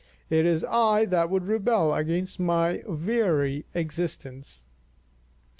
It is I that would rebel against my weary existence.